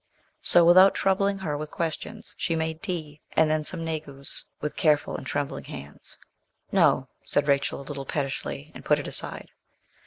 So, without troubling her with questions, she made tea, and then some negus, with careful and trembling hands. 'No,' said Rachel, a little pettishly, and put it aside.